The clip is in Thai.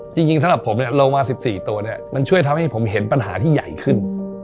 จริงสำหรับผมเนี่ยลงมา๑๔ตัวเนี่ยมันช่วยทำให้ผมเห็นปัญหาที่ใหญ่ขึ้น